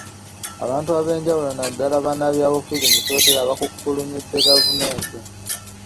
Abantu ab’enjawulo naddala bannabyabufuzi mu Kyotera bakukkulumidde gavumenti.